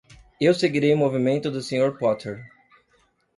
Eu segurei o movimento do Sr. Potter.